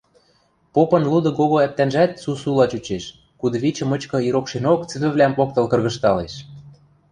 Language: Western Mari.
Попын луды кого ӓптӓнжӓт сусула чучеш, кудывичӹ мычкы ирокшенок цӹвӹвлӓм поктыл кыргыжталеш